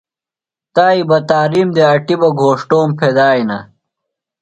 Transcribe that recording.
تائی بہ تارِیم دےۡ اٹیۡ بہ گھوݜٹوم پھیدِیانہ۔